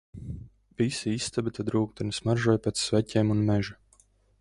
Visa istaba tad rūgteni smaržoja pēc sveķiem un meža.